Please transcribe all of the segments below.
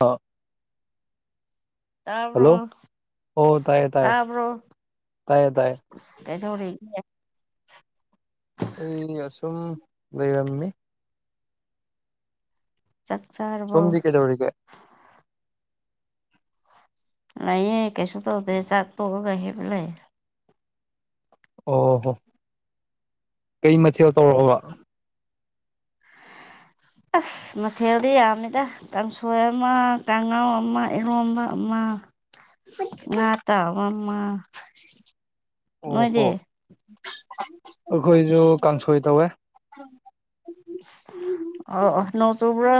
ꯑ ꯍꯜꯂꯣ ꯇꯥꯕꯔꯣ ꯑꯣ ꯇꯥꯏꯌꯦ ꯇꯥꯏꯌꯦ ꯇꯥꯕꯔꯣ ꯇꯥꯏꯌꯦ ꯇꯥꯏꯌꯦ ꯀꯩꯗꯧꯔꯤꯒꯦ ꯑꯩ ꯑꯁꯨꯝ ꯂꯩꯔꯝꯃꯤ ꯆꯥꯛ ꯆꯥꯔꯕꯣ ꯁꯣꯝꯗꯤ ꯀꯩꯗꯧꯔꯤꯒꯦ ꯂꯩꯌꯦ ꯀꯩꯁꯨ ꯇꯧꯗꯦ ꯆꯥꯛ ꯇꯣꯛꯑꯒ ꯍꯤꯞ ꯂꯩꯌꯦ ꯑꯣ ꯍꯣ ꯀꯩ ꯃꯊꯦꯜ ꯇꯧꯔꯕ ꯑꯁ ꯃꯊꯦꯟꯗꯤ ꯌꯝꯃꯤꯗ ꯀꯥꯡꯁꯣꯏ ꯑꯃ ꯀꯥꯡꯉꯧ ꯑꯃ ꯏꯔꯣꯝꯕ ꯑꯃ ꯉꯥ ꯇꯥꯎꯕ ꯑꯃ ꯑꯣ ꯍꯣ ꯅꯣꯏꯗꯤ [unintelligible] ꯀꯩꯇꯧꯋꯦ ꯑꯣ ꯑꯣ ꯅꯣꯡ ꯆꯨꯕ꯭ꯔꯣ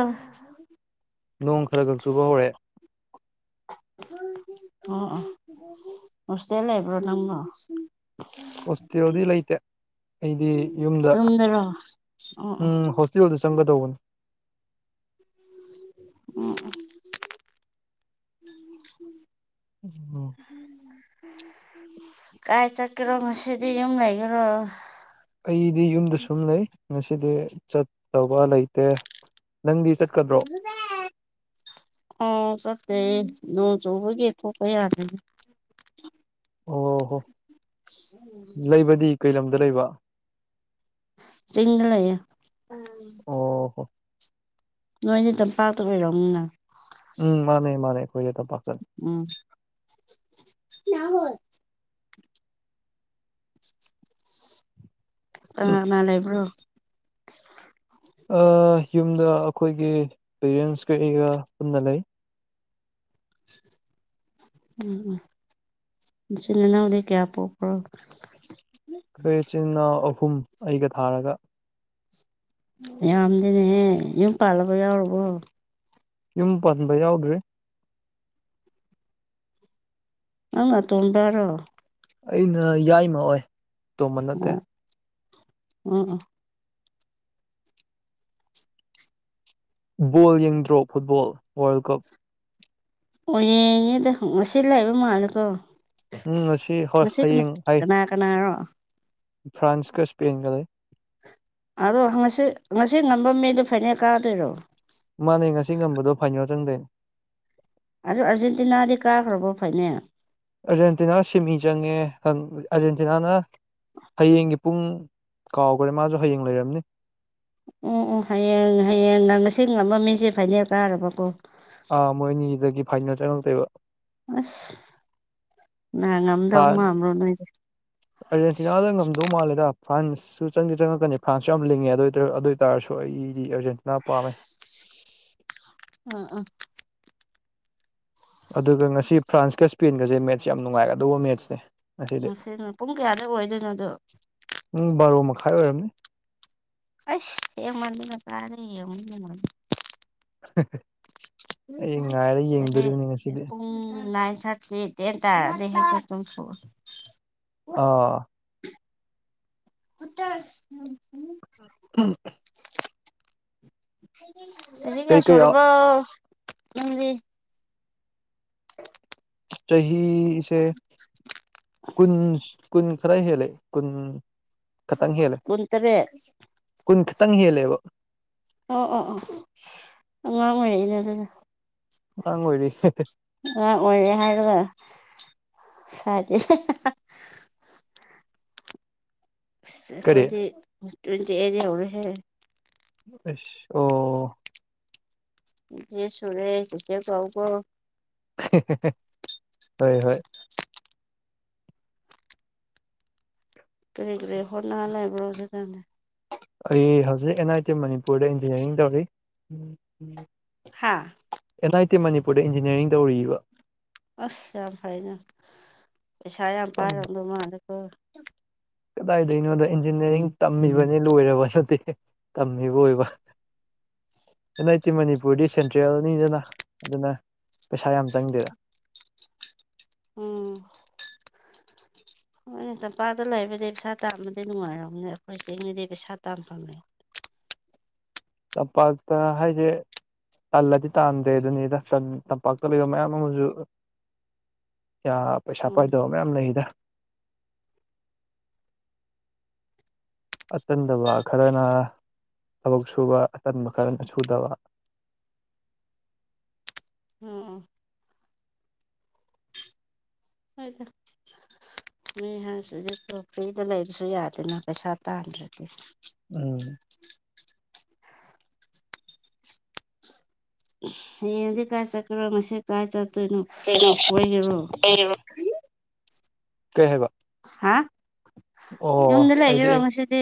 ꯅꯣꯡ ꯈꯔ ꯈꯔ ꯆꯨꯕ ꯍꯧꯔꯛꯑꯦ ꯑꯣ ꯑꯣ ꯍꯣꯁꯇꯦꯜ ꯂꯩꯕ꯭ꯔꯣ ꯅꯪꯅ ꯍꯣꯁꯇꯦꯜꯗꯤ ꯂꯩꯇꯦ ꯑꯩꯗꯤ ꯌꯨꯝꯗ ꯌꯨꯝꯗꯔꯣ ꯑꯣ ꯑꯣ ꯎꯝ ꯍꯣꯁ__ ꯁꯪꯒꯙꯧꯕꯅꯤ ꯎꯝ ꯎ ꯎꯝ ꯎꯝ ꯀꯥꯏ ꯆꯠꯀꯦꯔꯣ ꯉꯁꯤꯗꯤ ꯌꯨꯝ ꯂꯩꯒꯔꯣ ꯑꯩꯗꯤ ꯌꯨꯝꯗ ꯁꯨꯝ ꯂꯩ ꯉꯁꯤꯗꯤ ꯆꯠꯇꯧꯕ ꯂꯩꯇꯦ ꯅꯪꯗꯤ ꯆꯠꯀꯗ꯭ꯔꯣ ꯑꯥꯎ ꯆꯠꯇꯦ ꯅꯣꯡ ꯆꯨꯕꯒꯤ ꯊꯣꯛꯄ ꯌꯥꯗꯕ ꯑꯣ ꯍꯣ ꯂꯩꯕꯗꯤ ꯀꯩ ꯂꯝꯗ ꯂꯩꯕ ꯆꯤꯡꯗ ꯂꯩꯌꯦ ꯑꯣ ꯍꯣ ꯅꯣꯏꯗꯤ ꯇꯝꯄꯥꯛꯇ ꯑꯣꯏꯔꯝꯅꯤꯅ ꯎꯝ ꯃꯥꯅꯦ ꯃꯥꯅꯦ ꯑꯩꯈꯣꯏꯗꯤ ꯇꯝꯄꯥꯛꯇꯅꯦ ꯎꯝ [unintelligible] ꯀꯅꯥ ꯀꯅꯥ ꯂꯩꯕ꯭ꯔꯣ ꯑꯥ ꯌꯨꯝꯗ ꯑꯩꯈꯣꯏꯒꯤ ꯄꯦꯔꯦꯟꯁꯀ ꯑꯩꯒ ꯄꯨꯟꯅ ꯂꯩ ꯎꯝ ꯎꯝ ꯅꯆꯤꯟ ꯅꯅꯥꯎꯗꯒꯤ ꯀꯌꯥ ꯄꯣꯛꯄ꯭ꯔꯣ ꯑꯩꯈꯣꯏ ꯏꯆꯤꯜ ꯏꯅꯥꯎ ꯑꯍꯨꯝ ꯑꯩꯒ ꯊꯥꯔꯒ ꯌꯥꯝꯗꯤꯅꯦꯍꯦ ꯌꯨꯝ ꯄꯥꯜꯂꯕ ꯌꯥꯎꯔꯕꯣ ꯌꯨꯝ ꯄꯥꯟꯕ ꯌꯥꯎꯗ꯭ꯔꯤ ꯅꯪꯅ ꯑꯇꯣꯟꯕꯥꯔꯣ ꯑꯩꯅ ꯌꯥꯏꯃ ꯑꯣꯏ ꯑꯇꯣꯝꯕ ꯅꯠꯇꯦ [unintelligible] ꯕꯣꯜ ꯌꯦꯡꯗ꯭ꯔꯣ ꯐꯨꯠꯕꯣꯜ ꯋꯥꯔꯜ ꯀꯞ ꯑꯣ ꯌꯦꯡꯉꯦꯗ ꯉꯁꯤ ꯂꯩꯕ ꯃꯥꯜꯂꯦꯀꯣ ꯎꯝ ꯍꯣꯏ ꯉꯁꯤ ꯀꯅꯥ ꯍꯌꯦꯡ ꯑꯩ ꯀꯅꯥ [unintelligible] ꯀꯅꯥꯔꯣ ꯐ꯭ꯔꯥꯟꯁꯀ ꯁ꯭ꯄꯦꯟꯒ ꯂꯩ ꯑꯗꯣꯁꯤ ꯍ ꯉꯁꯤ ꯉꯁꯤ ꯉꯝꯕ ꯃꯤꯗꯣ ꯐꯥꯏꯅꯦꯜ ꯀꯥꯗꯣꯏꯔꯣ ꯃꯥꯅꯦ ꯉꯁꯤ ꯉꯝꯕꯗꯣ ꯐꯥꯏꯅꯦꯜ ꯆꯪꯗꯣꯏꯅꯦ ꯑꯗꯨ ꯑꯥꯔꯖꯦꯟꯇꯤꯅꯥꯗꯤ ꯀꯥꯈ꯭ꯔꯕꯣ ꯐꯥꯏꯅꯦꯜ ꯑꯥꯔꯖꯦꯟꯇꯤꯅꯥ ꯁꯤꯃꯤ ꯆꯪꯉꯦ ꯑꯟ ꯑꯥꯔꯖꯦꯟꯇꯤꯅꯥꯅ ꯍꯌꯦꯡꯒꯤ ꯄꯨꯡ ꯀꯥꯎꯈ꯭ꯔꯦ ꯃꯥꯁꯨ ꯍꯌꯦꯡ ꯂꯩꯔꯝꯅꯤ ꯎꯝ ꯎꯝ ꯍꯌꯦꯡ ꯍꯌꯦꯡꯒ ꯉꯁꯤ ꯉꯝꯕ ꯃꯤꯁꯦ ꯐꯥꯏꯅꯦꯜ ꯀꯥꯔꯕꯀꯣ ꯑꯥ ꯃꯣꯏ ꯑꯅꯤꯗꯒꯤ ꯐꯥꯏꯅꯦꯜ ꯆꯪꯉꯛꯇꯣꯏꯕ ꯑꯁ [unintelligible] ꯉꯝꯗꯧ ꯐ꯭ꯔꯥꯟ ꯃꯥꯟꯕ꯭ꯔꯣ ꯅꯣꯏꯗꯤ ꯑꯥꯔꯖꯦꯟꯇꯤꯅꯥꯗ ꯉꯝꯗꯧ ꯃꯥꯜꯂꯦꯗ ꯐ꯭ꯔꯥꯟꯁꯁꯨ ꯆꯪꯗꯤ ꯆꯪꯉꯛꯀꯅꯤ ꯐ꯭ꯔꯥꯟꯁꯁꯨ ꯌꯥꯝ ꯂꯤꯡꯉꯦ ꯑꯗꯨ ꯑꯣꯏꯔ [unintelligible] ꯑꯗꯨ ꯇꯥꯔꯁꯨ ꯑꯩꯗꯤ ꯑꯥꯔꯖꯦꯟꯇꯤꯅꯥ ꯄꯥꯝꯃꯦ [unintelligible] ꯑ ꯑ ꯑꯗꯨꯒ ꯉꯁꯤ ꯐ꯭ꯔꯥꯟꯁꯀ ꯁ꯭ꯄꯦꯟꯒꯁꯦ ꯃꯦꯠꯁ ꯌꯥꯝ ꯅꯨꯡꯉꯥꯏꯒꯗꯧꯕ ꯃꯦꯠꯁꯅꯦ ꯉꯁꯤꯗꯤ ꯉꯁꯤꯅ ꯄꯨꯡ ꯀꯌꯥꯗ ꯑꯣꯏꯗꯣꯏꯅꯣ ꯑꯗꯨ ꯄꯨꯡ ꯕꯥꯔꯣ ꯃꯈꯥꯏ ꯑꯣꯏꯔꯝꯅꯤ ꯑꯁ ꯌꯦꯡꯃꯟꯗꯅ ꯇꯥꯔꯦ ꯌꯦꯡꯉꯃ ꯎ ꯉꯁꯤꯗꯤ ꯄꯨꯡ ꯂꯥꯏꯟ ꯁ ꯁꯤꯗ ꯇꯔ ꯂꯩꯦ ꯍꯥꯏꯦ ꯇꯝꯁꯨ ꯑ ꯄꯨꯠꯇ ꯎꯝ ꯁꯤꯦꯡꯒ ꯀꯩ ꯀꯩ ꯁꯣꯔꯔꯕ ꯎꯗꯤ ꯆꯍꯤꯁꯦ ꯀꯨꯟ ꯀꯨꯟ ꯈꯔ ꯍꯦꯜꯂꯦ ꯀꯨꯟ ꯈꯇꯪ ꯍꯦꯜꯂꯦ ꯀꯨꯟꯇꯔꯦꯠ ꯀꯨꯟ ꯈꯤꯇꯪ ꯍꯦꯜꯂꯦꯕ ꯑꯣ ꯑꯣ ꯑꯣ ꯑꯉꯥꯡ ꯑꯣꯏꯔꯤꯅꯦ ꯑꯗꯨꯗꯤ ꯑꯉꯥꯡ ꯑꯣꯏꯔꯤ [unintelligible] ꯑꯉꯥꯡ ꯑꯣꯏꯔꯦ ꯍꯥꯏꯔꯒ ꯁꯥꯏꯠ__ [unintelligible] ꯑꯁ ꯀꯔꯤ ꯑꯩꯈꯣꯏꯗꯤ ꯇ꯭ꯨꯌꯦꯟꯇꯤ ꯑꯥꯏꯠ ꯌꯧꯔꯦꯍꯦ ꯑꯩꯁ ꯑꯣ ꯇ꯭ꯨꯌꯦꯟꯇꯤ ꯑꯥꯏꯠ ꯁꯨꯔꯦ ꯆꯦꯆꯦ ꯀꯧꯑꯣꯀꯣ [unintelligible] ꯍꯣꯏ ꯍꯣꯏ ꯀꯔꯔꯤ ꯔꯩ ꯍꯣꯅꯉ ꯂ ꯂꯩꯕ꯭ꯔꯣꯖꯒꯅꯤ ꯑꯩ ꯍꯧꯖꯤꯛ ꯑꯦꯟ ꯑꯥꯏ ꯇꯤ ꯃꯅꯤꯄꯨꯔꯗ ꯏꯟꯖꯤꯅꯤꯌꯥꯔꯤꯡ ꯇꯧꯔꯤ ꯍꯥꯥ ꯑꯦꯟ ꯑꯥꯏ ꯇꯤ ꯃꯅꯤꯄꯨꯔꯗ ꯏꯟꯖꯤꯅꯤꯌꯥꯔꯤꯡ ꯇꯧꯔꯤꯕ ꯑꯁ ꯌꯥꯝ ꯐꯩꯅ ꯄꯩꯁꯥ ꯌꯥꯝ ꯄꯥꯏꯔꯕꯗꯣ ꯃꯥꯗꯀꯣ ꯀꯗꯥꯏꯗꯩꯅꯣꯗ ꯏꯟꯖꯤꯅꯤꯌꯥꯔꯤꯡ ꯇꯝꯃꯤꯕꯅꯤ ꯂꯣꯏꯔꯕ ꯅꯠꯇꯦ ꯇꯝꯃꯤꯕ ꯑꯣꯏꯕ ꯑꯦꯟ ꯑꯥꯏ ꯇꯤ ꯃꯅꯤꯄꯨꯔꯗꯤ ꯁꯦꯟꯇ꯭ꯔꯦꯜꯅꯤꯗꯅ ꯑꯗꯨꯅ ꯄꯩꯁꯥ ꯌꯥꯝ ꯆꯪꯗꯦꯗ ꯎꯝ ꯍꯣꯏꯅꯦ ꯇꯝꯄꯥꯛꯗ ꯂꯩꯕꯗꯤ ꯄꯩꯁꯥ ꯇꯥꯟꯕꯗꯤ ꯅꯨꯡꯉꯥꯏꯔꯝꯅꯦ ꯑꯩꯈꯣꯏ ꯆꯤꯡꯅꯤꯗꯤ ꯄꯩꯁꯥ ꯇꯥꯟꯐꯝꯅꯦ ꯇꯝꯄꯥꯛꯇ ꯍꯥꯏꯁꯦ ꯇꯜꯂꯗꯤ ꯇꯥꯟꯗ꯭ꯔꯦ ꯑꯗꯨꯅꯤ ꯔꯁꯟ ꯇꯝꯄꯥꯛꯇ ꯂꯩꯕ ꯃꯌꯥꯝ ꯑꯃꯁꯨ ꯌꯥ ꯄꯩꯁꯥ ꯎꯝ ꯄꯥꯏꯗꯕ ꯃꯌꯥꯝ ꯂꯩꯗ ꯑꯇꯟꯗꯕ ꯈꯔꯅ ꯊꯕꯛ ꯁꯨꯕ ꯑꯇꯟꯕ ꯈꯔꯅ ꯁꯨꯗꯕ ꯑꯣ ꯍꯥꯏ ꯇ ꯃꯤ ꯍꯥꯏꯖꯤ ꯀꯔꯤꯗ ꯂꯩꯕꯁꯨ ꯌꯥꯗꯦꯅ ꯄꯩꯁꯥ ꯇꯥꯟꯗ꯭ꯔꯗꯤ ꯎꯝ ꯍꯌꯦꯡꯗꯤ ꯀꯥꯏ ꯆꯠꯈꯔꯣ ꯉ ꯀꯥꯏ ꯆꯠꯇꯣꯏꯅꯣ ꯀꯩ ꯀꯣꯏꯒꯤꯔꯣ ꯀꯩ ꯍꯥꯏꯕ ꯍꯥ ꯑꯣ ꯏꯝꯗꯂ ꯑꯩꯗꯤ ꯍꯒ ꯃꯁꯗꯤ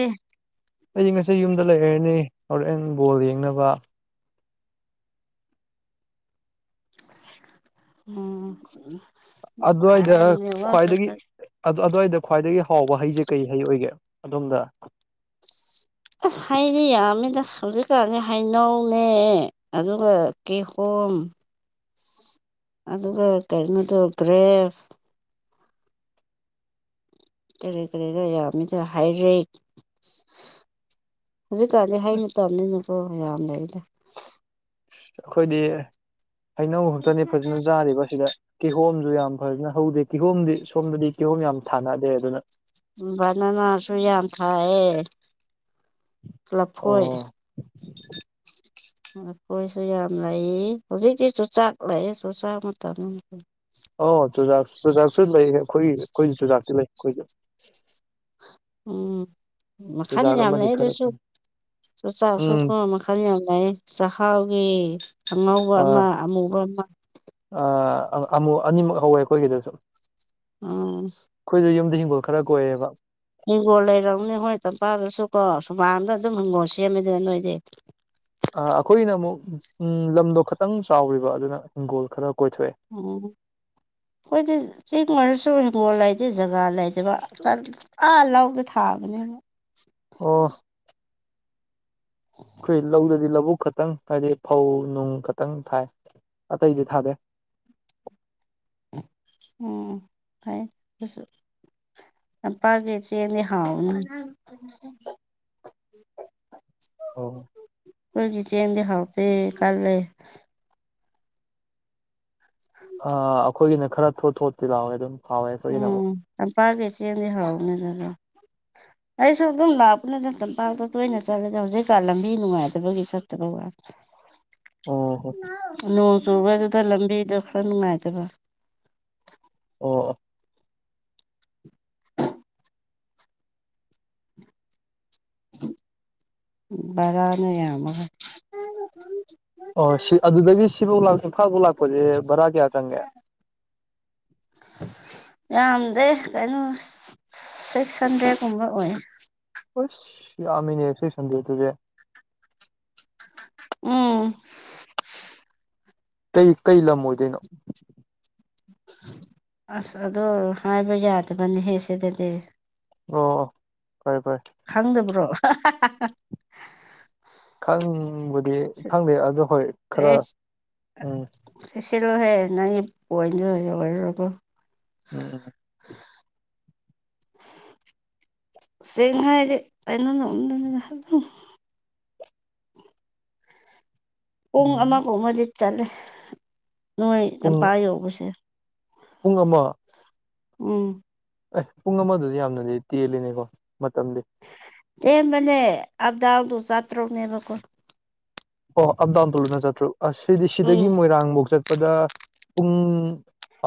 ꯑꯩꯗꯤ ꯉꯁꯤ ꯌꯨꯝꯗ ꯂꯩꯔꯔꯅꯤ ꯑꯥꯎꯠ ꯑꯦꯟ ꯕꯣꯜ ꯌꯦꯡꯅꯕ ꯎꯝ ꯂꯩꯕꯇ ꯑꯗꯨ ꯑꯗꯨꯗꯋꯥꯏꯗ ꯈ꯭ꯋꯥꯏꯗꯒꯤ ꯍꯥꯎꯕ ꯍꯩꯁꯦ ꯀꯩ ꯍꯩ ꯑꯣꯏꯒꯦ ꯑꯗꯣꯝꯗ ꯑ ꯍꯥꯏꯥꯏꯔꯤ ꯌꯥꯃꯤꯗ ꯁꯕꯖꯦꯛꯅꯤ ꯍꯥꯏꯅꯣꯅꯦ ꯑꯗꯨꯒ ꯀꯦꯍꯣꯝ [inaudible] ꯑꯗꯨꯒ ꯀꯩꯅꯣꯗꯣ ꯒ꯭ꯔꯦꯐ ꯀꯔꯤ ꯀꯔꯤꯗ ꯌꯥꯝꯃꯤꯗ ꯍꯥꯏꯗ꯭ꯔꯦꯠ ꯍꯧꯖꯤꯛꯀꯥꯟꯗꯤ ꯍꯥꯏ ꯃꯇꯝꯅꯤꯅꯀꯣ ꯌꯥꯝ ꯂꯩ ꯑꯩꯗ ꯑ ꯑꯩꯈꯣꯏꯗꯤ ꯍꯩꯅꯧ ꯈꯛꯇꯅꯤ ꯐꯖꯅ ꯆꯥꯔꯤꯕ ꯁꯤꯗ ꯀꯤꯍꯣꯝꯁꯨ ꯌꯥꯝ ꯐꯖꯅ ꯍꯧꯗꯦ ꯀꯤꯍꯣꯝꯗꯤ ꯁꯣꯝꯗꯗꯤ ꯀꯤꯍꯣꯝ ꯌꯥꯝ ꯊꯥꯅꯗꯦ ꯑꯗꯨꯅ ꯚ ꯅꯅꯥꯁꯨ ꯌꯥꯝ ꯊꯥꯏꯌꯦ ꯂꯐꯣꯏ ꯑꯣ ꯑꯩꯈꯣꯏꯁꯨ ꯌꯥꯝ ꯂꯩ ꯍꯧꯖꯤꯛꯇꯤꯁꯨ ꯆꯥꯛ ꯂꯩ ꯑꯩꯁꯨ ꯆꯥꯛ ꯃꯇꯝ ꯑꯣ ꯆꯨꯖꯥꯛ ꯆꯨꯖꯥꯛꯁꯨ ꯂꯩ ꯑꯩꯈꯣꯏ ꯑꯩꯈꯣꯏ ꯆꯨꯖꯥꯛꯇꯤ ꯂꯩ ꯑꯩꯈꯣꯏꯖꯨ ꯎꯝ ꯃꯈꯜ ꯆꯨꯖꯥꯛ ꯌꯥꯝ ꯑꯃꯗꯤ ꯂꯩ ꯈꯔ ꯑꯗꯨꯁꯨ ꯎꯝ [unintelligible] ꯈꯜ ꯌꯥꯝꯅꯩ ꯆꯥꯛꯍꯥꯎꯒꯤ ꯑꯉꯧꯕ ꯑꯥ ꯑꯃ ꯑꯃꯨꯕ ꯑꯃ ꯑꯥ ꯑꯃꯨꯛ ꯑꯅꯤꯃꯨꯛ ꯍꯧꯋꯦ ꯑꯩꯈꯣꯏꯒꯤꯗꯁꯨ ꯑꯝ ꯑꯩꯈꯣꯏꯖꯨ ꯌꯨꯝꯗꯥ ꯍꯤꯡꯒꯣꯜ ꯈꯔ ꯀꯣꯏꯌꯦꯕ ꯍꯤꯡꯒꯣꯜ ꯂꯩꯔꯕꯝꯅꯦ ꯍꯣꯏ ꯇꯝꯄꯥꯛꯗꯁꯨ ꯀꯣ ꯁꯨꯃꯥꯡꯗꯥ ꯑꯗꯨꯝ ꯍꯤꯡꯒꯣꯜ ꯁꯦꯝꯃꯤꯗꯥ ꯅꯣꯏꯗꯤ ꯑꯥ ꯑꯩꯈꯣꯏꯅ ꯑꯃꯨꯛ ꯂꯝꯗꯣ ꯈꯇꯪ ꯆꯥꯎꯔꯤꯕ ꯑꯗꯨꯅ ꯍꯤꯡꯒꯣꯜ ꯈꯔ ꯀꯣꯏꯊꯣꯛꯑꯦ ꯎꯝ ꯑꯩꯈꯣꯏꯗꯤ ꯆꯦꯡ ꯃꯔꯔꯁꯨ ꯍꯤꯡꯒꯣꯜ ꯂꯩꯇꯦ ꯖꯒꯥ ꯂꯩꯗꯕ ꯑꯥ ꯂꯧꯥꯎꯗ ꯊꯥꯕꯅꯦ ꯑꯣꯐ ꯑꯩꯈꯣꯏ ꯂꯧꯗꯗꯤ ꯂꯧꯕꯨꯛ ꯈꯛꯇꯪ ꯍꯥꯏꯗꯤ ꯐꯧ ꯅꯨꯡ ꯈꯛꯇꯪ ꯊꯥꯏ ꯑꯇꯩꯗꯤ ꯊꯥꯗꯦ ꯎ ꯐ ꯑꯗꯨꯁꯨ ꯄꯥꯒꯦ ꯆꯅꯤ ꯍꯥꯥꯎꯅ ꯑꯣ ꯑꯩꯣꯏꯒꯤ ꯆꯦꯟꯦꯟꯗꯤ ꯍꯥꯎꯗ ꯀꯂ ꯑ ꯑꯩꯈꯣꯏꯒꯤꯅ ꯈꯔ ꯊꯣꯠ ꯊꯣꯠꯇꯤ ꯂꯥꯎꯋꯦ ꯑꯗꯨꯝ ꯐꯥꯎꯋꯦ ꯑꯩꯣꯏꯒꯤꯅ ꯑꯃꯨꯛ ꯇꯝꯄꯥꯛꯒꯤ ꯆꯦꯡꯗꯤ ꯍꯧꯎꯅꯤꯗꯥꯅ [inaudible] ꯑꯩꯁꯨ ꯑꯗꯨꯝ ꯂꯥꯛꯄꯅꯗꯥ ꯇꯝꯄꯥꯛꯇꯥ ꯇꯣꯏꯅ ꯆꯠꯂꯦꯗꯥ ꯍꯧꯖꯤꯛꯀꯥꯟ ꯂꯝꯕꯤ ꯅꯨꯡꯉꯥꯏꯇꯥꯕꯒꯤ ꯆꯠꯇꯕ ꯋꯥꯅꯦ [inaudible] ꯑꯣ ꯍꯣ ꯅꯣꯡ ꯆꯨꯕꯗꯨꯗꯥ ꯂꯝꯕꯤꯗꯣ ꯈꯔ ꯅꯨꯡꯉꯥꯏꯇꯕ ꯑꯣ ꯚꯔꯥꯅ ꯌꯥꯝꯃꯒꯥ ꯑꯣ ꯁꯤ ꯑꯗꯨꯗꯥꯒꯤ ꯁꯤꯕꯥꯎ ꯂꯥꯛ ꯏꯝꯐꯥꯜ ꯐꯧ ꯂꯥꯛꯄꯖꯦ ꯚꯔꯥ ꯀꯌꯥ ꯆꯪꯒꯦ ꯌꯥꯝꯗꯦ ꯀꯩꯅꯣ ꯁꯤꯛꯁ ꯍꯟꯗ꯭ꯔꯦꯗꯀꯨꯝꯕ ꯑꯣꯏ ꯑꯁ ꯌꯥꯝꯃꯤꯅꯦ ꯁꯤꯛꯁ ꯍꯟꯗꯔꯦꯠꯇꯨꯗꯤ ꯎꯝ ꯀꯩ ꯀꯩ ꯂꯝ ꯑꯣꯏꯗꯣꯏꯅꯣ ꯑꯁ ꯑꯗꯨ ꯍꯥꯏꯕ ꯌꯥꯗꯕꯅꯤꯍꯦ ꯁꯤꯗꯥꯗꯤ ꯑꯣ ꯑꯣ ꯐꯔꯦ ꯐꯔꯦ ꯈꯪꯗꯕ꯭ꯔꯣ ꯈꯪꯕꯨꯗꯤ ꯈꯪꯗꯦ ꯑꯗꯣ ꯍꯣꯏ ꯈꯔ ꯎꯝ ꯆꯦꯁꯤꯜꯂꯣꯍꯦ ꯅꯪꯒꯤ ꯄꯣꯟꯠꯗꯣ ꯂꯣꯏꯔꯥꯔꯣꯏꯕ ꯎꯝ ꯆꯤꯡ ꯍꯥꯏꯗꯤ ꯑꯩꯅ ꯎꯝꯗꯥꯅꯤꯅ ꯑꯗꯨꯝ ꯄꯨꯡ ꯎꯝ ꯑꯃꯒꯨꯝꯃꯥꯗꯤ ꯆꯂꯦ ꯅꯣꯏ ꯄꯨꯡ ꯂꯝꯄꯥ ꯌꯧꯕꯁꯦ ꯄꯨꯡ ꯑꯃ ꯎꯝ ꯑꯦ ꯄꯨꯡ ꯑꯃꯗꯥꯗꯤ ꯌꯥꯝꯅꯗꯤ ꯇꯦꯜꯂꯤꯅꯤꯀꯣ ꯃꯇꯝꯗꯤ ꯇꯦꯟꯕꯅꯦ ꯑꯞ ꯗꯥꯎꯟꯗꯣ ꯆꯥꯠꯇ꯭ꯔꯨꯛꯅꯦꯕꯀꯣ ꯑꯣ ꯑꯞ ꯗꯥꯎꯟ ꯇꯣ ꯂꯨꯄꯥ ꯆꯠꯇ꯭ꯔꯣ ꯑꯁ ꯁꯤꯗꯤ ꯁꯤꯗꯒꯤ ꯎꯝ ꯃꯣꯏꯔꯥꯡꯐꯧ ꯆꯠ ꯄꯗꯥ ꯄꯨꯡ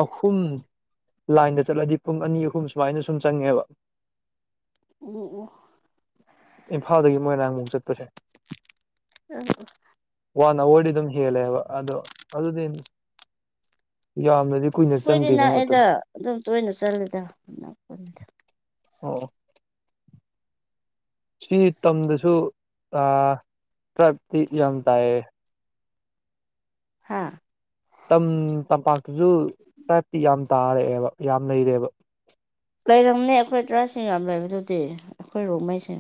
ꯑꯍꯨꯝ ꯂꯥꯏꯟꯗꯥ ꯆꯠꯂꯗꯤ ꯄꯨꯡ ꯑꯅꯤ ꯑꯍꯨꯝ ꯁꯨꯃꯥꯏꯅ ꯁꯨꯝ ꯆꯪꯉꯦꯕ [unintelligible] ꯏꯝꯐꯥꯜꯗꯥꯒꯤ ꯃꯣꯏꯔꯥꯡꯕꯨꯛ ꯆꯠꯄꯁꯦ ꯎꯝ ꯋꯥꯟ ꯑꯋꯥꯔꯗꯤ ꯑꯗꯨꯝ ꯍꯦꯜꯂꯦꯕ ꯑꯗꯣ ꯑꯗꯨꯗꯤ ꯌꯥꯝꯅꯗꯤ ꯀꯨꯏꯅ ꯁꯣꯏꯗꯤ ꯆꯪꯗꯦꯅꯦ ꯃꯇꯝ ꯅꯥꯛꯑꯦꯗꯥ ꯑꯗꯨꯝ ꯇꯣꯏꯅ ꯆꯠꯂꯦꯗꯣ ꯑꯣ ꯁꯤ ꯇꯝꯗꯁꯨ ꯇ꯭ꯔꯥꯏꯞꯇꯤ ꯑꯥ ꯌꯥꯝ ꯇꯥꯏꯌꯦ ꯍꯥꯥ ꯇꯝ ꯇꯝꯄꯥꯛꯇꯁꯨ ꯇ꯭ꯔꯥꯏꯞꯇꯤ ꯌꯥꯝ ꯇꯥꯔꯛꯑꯦꯕ ꯌꯥꯝ ꯂꯩꯔꯦꯕ ꯂꯩꯔꯝꯅꯦ ꯑꯩꯈꯣꯏ ꯗ꯭ꯔꯥꯁꯤꯡ ꯌꯥꯝ ꯂꯩꯕꯗꯨꯗꯤ ꯑꯩꯈꯣꯏ ꯔꯣꯡꯉꯩꯁꯦ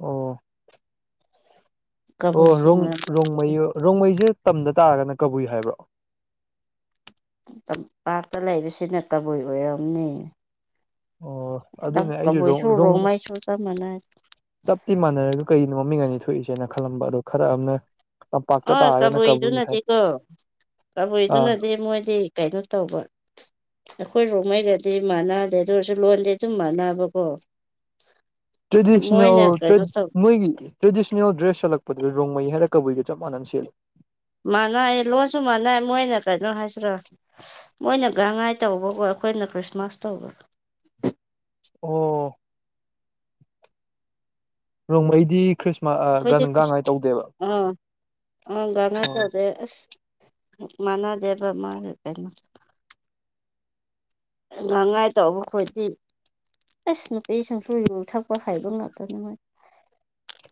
ꯑꯣ ꯑꯣ ꯀꯕꯨꯏꯁꯤꯡ ꯔꯣꯡ ꯔꯣꯡꯃꯩ ꯔꯣꯡꯃꯩꯁꯦ ꯇꯝꯗ ꯇꯥꯔꯒꯅ ꯀꯕꯨꯏ ꯍꯥꯏꯕ꯭ꯔꯣ ꯇꯝꯄꯥꯛꯇ ꯂꯩꯕꯁꯤꯅ ꯀꯕꯨꯏ ꯑꯣꯏꯔꯝꯅꯦ ꯑꯣ ꯑꯗꯨꯅꯦ ꯑꯩꯁꯨ ꯀꯕꯨꯏ ꯁꯨ ꯔꯣꯡ ꯔꯣꯡꯃꯩꯁꯨ ꯆꯞ ꯃꯥꯟꯅꯦ ꯆꯞꯇꯤ ꯃꯥꯟꯅꯔꯒ ꯀꯩꯅꯣ ꯃꯃꯤꯡ ꯑꯅꯤ ꯊꯣꯛꯏꯁꯦꯅ ꯈꯜꯂꯝꯕ ꯑꯗꯣ ꯈꯔ ꯑꯃꯅ ꯇꯝꯄꯥꯛꯇ ꯑꯥ ꯇꯥꯔꯒꯅ ꯀꯕꯨꯏ ꯍꯥꯏ ꯀꯕꯨꯏꯗꯨꯅꯗꯤꯀꯣ ꯑ ꯀꯕꯨꯏꯗꯨꯅꯗꯤ ꯃꯣꯏꯗꯤ ꯀꯩꯅꯣ ꯇꯧꯕ ꯑꯩꯈꯣꯏ ꯔꯣꯡꯃꯩꯒꯥꯗꯤ ꯃꯥꯟꯅꯗꯦ ꯑꯗꯨ ꯑꯣꯏꯔꯁꯨ ꯂꯣꯟꯗꯤ ꯑꯗꯨꯝ ꯃꯥꯟꯅꯕꯀꯣ ꯇ꯭ꯔꯦꯗꯤꯁꯅꯦꯜ ꯃꯣꯏꯅ ꯇ꯭ꯔꯦ ꯀꯩꯅꯣ ꯇꯧ ꯃꯣꯏꯒꯤ ꯇ꯭ꯔꯦꯗꯤꯁꯅꯦꯜ ꯗ꯭ꯔꯦꯁ ꯁꯦꯠꯂꯛꯄꯗꯨꯗꯤ ꯔꯣꯡꯃꯩ ꯍꯥꯏꯔ ꯀꯕꯨꯏꯒꯥ ꯆꯞ ꯃꯟꯅꯅꯥ ꯁꯦꯂꯦ ꯃꯥꯟꯅꯩ ꯂꯣꯟꯁꯨ ꯃꯥꯟꯅꯩ ꯃꯣꯏꯅ ꯀꯩꯅꯣ ꯍꯥꯏꯁꯤꯔ ꯃꯣꯏꯅ ꯒꯟꯉꯥꯏ ꯇꯧꯕꯒꯣ ꯑꯩꯈꯣꯏꯅ ꯈ꯭ꯔꯤꯁꯃꯥꯁ ꯇꯧꯕ ꯑꯣ ꯔꯣꯡꯃꯩꯗꯤ ꯈ꯭ꯔꯤꯁꯃꯥꯁ ꯒ ꯒꯥꯡꯉꯥꯏ ꯇꯧꯗꯦꯕ ꯑ ꯑ ꯒꯥꯥꯡꯉꯥꯢ ꯑꯣ ꯇꯧꯗꯦ ꯃꯅꯥꯗꯦꯕ ꯃꯔ ꯀꯩꯅꯣ ꯒꯥꯡꯉꯥꯏ ꯇꯧꯕ ꯈꯣꯗꯤ ꯑꯁ ꯅꯨꯄꯤ ꯁꯨꯡꯁꯨ ꯌꯨ ꯊꯛꯄ ꯍꯩꯕ ꯉꯥꯛꯇꯅꯤ ꯃꯣꯏ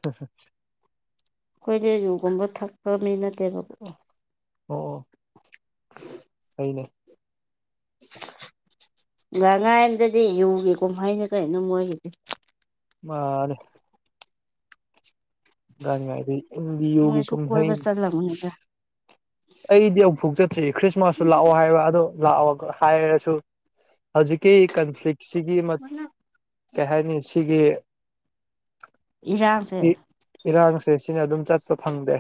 ꯍ ꯑꯩꯈꯣꯏꯗꯤ ꯌꯨꯒꯨꯝꯕ ꯊꯛꯄ ꯃꯤ ꯅꯠꯇꯦꯕꯀꯣ ꯑꯣ ꯀꯩꯅꯦ ꯒꯥꯡ ꯉꯥꯏ ꯑꯝꯗꯗꯤ ꯌꯨꯒꯦ ꯀꯨꯝꯍꯩꯅꯤ ꯀꯩꯅꯣ ꯃꯣꯏꯒꯤꯗꯤ ꯃꯥꯅꯦ ꯒꯥꯅꯤꯉꯥꯢꯗꯤ ꯌꯨꯒꯤ ꯅꯣꯏꯁꯨ ꯀꯨꯝꯍꯩ [inaudible] [unintelligible] ꯑꯩꯗꯤ ꯑꯃꯨꯛꯐꯨ ꯆꯠꯇ꯭ꯔꯤ ꯈ꯭ꯔꯤꯁꯃꯥꯁꯁꯨ ꯂꯥꯛꯑꯣ ꯍꯥꯏꯔ ꯑꯗꯣ ꯂꯥꯛꯑꯣꯒ ꯍꯥꯏꯔꯁꯨ ꯍꯧꯖꯤꯛꯀꯤ ꯀꯟꯐ꯭ꯂꯤꯛꯁꯤꯒꯤ ꯀꯩ ꯍꯥꯏꯅꯤ ꯁꯤꯒꯤ ꯏꯔꯥꯡꯁꯦ ꯏ ꯏꯔꯥꯡꯁꯦ ꯁꯤꯅ ꯑꯗꯨꯝ ꯆꯠꯄ ꯐꯪꯗꯦ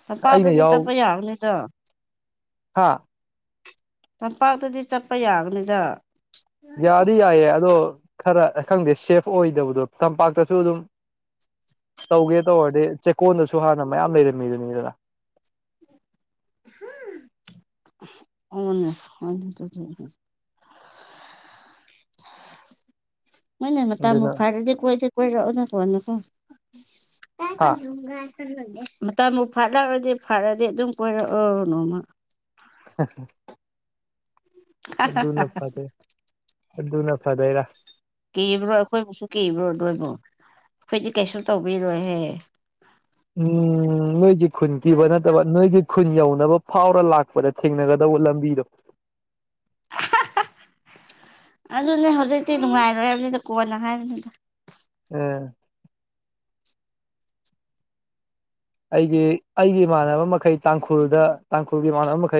[unintelligible] ꯍꯥꯥ ꯇꯝꯄꯥꯛꯇꯗꯤ ꯆꯠꯄ ꯌꯥꯒꯅꯤꯗ ꯌꯥꯗꯤ ꯌꯥꯏꯌꯦ ꯑꯗꯣ ꯈꯔ ꯈꯪꯗꯦ ꯁꯦꯐ ꯑꯣꯏꯗꯕꯗꯣ ꯇꯝꯄꯥꯛꯇꯁꯨ ꯑꯗꯨꯝ ꯇꯧꯒꯦ ꯇꯧꯔꯗꯤ ꯆꯦꯛꯀꯣꯟꯗꯁꯨ ꯍꯥꯟꯅ ꯃꯌꯥꯝ ꯂꯩꯔꯝꯃꯤꯗꯨꯅꯤꯗꯅ ꯑꯣꯅꯦ ꯍꯅꯦ ꯃꯣꯏꯅꯅ ꯇꯥꯃꯨ ꯑꯗꯨꯅ ꯐꯥꯔꯦꯗꯤ ꯀꯣꯏꯗꯦ ꯀꯣꯏꯔ ꯑꯣꯖꯀꯅ ꯍꯥ [unintelligible] ꯃꯇꯝꯕꯨ ꯐꯠꯂꯔꯗꯤ ꯐꯔꯗꯤ ꯑꯗꯨꯝ ꯀꯣꯏꯔꯛꯑꯣꯎ ꯅꯣꯡꯃ ꯍ ꯑꯗꯨꯅ ꯐꯗꯩ ꯑꯗꯨꯅ ꯐꯗꯩꯔꯥ ꯀꯤꯕ꯭ꯔꯣ ꯑꯩꯈꯣꯏꯕꯨꯁꯨ ꯀꯤꯕ꯭ꯔꯣ ꯅꯣꯏꯕꯨ ꯑꯩꯈꯣꯏꯗꯤ ꯀꯩꯁꯨ ꯇꯧꯕꯤꯔꯣꯏꯍꯦ ꯎꯝ ꯅꯣꯏꯒꯤ ꯈꯨꯨꯟꯇꯤꯕ ꯅꯠꯇꯕ ꯅꯣꯏꯒꯤ ꯈꯨꯟ ꯌꯧꯅꯕ ꯐꯥꯎꯔ ꯂꯥꯛꯄꯗ ꯊꯦꯡꯅꯒꯗꯧꯕ ꯂꯝꯕꯤꯗꯣ ꯑꯗꯨꯅꯦ ꯍꯧꯖꯤꯛꯇꯤ ꯅꯨꯡꯉꯥꯏꯔ ꯍꯥꯏꯕꯅꯤꯗ ꯀꯣꯟꯅ ꯍꯥꯏꯕꯅꯤꯗ ꯎꯝ ꯑꯩꯒꯤ ꯑꯩꯒꯤ ꯏꯃꯥꯟꯅꯕ ꯃꯈꯩ ꯇꯥꯡꯈꯨꯜꯗ ꯇꯥꯡꯈꯨꯜꯒꯤ ꯏꯃꯥꯟꯅꯕ ꯃꯈꯩ